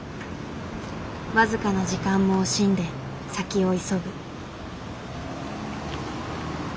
僅かな時間も惜しんで先を急ぐ。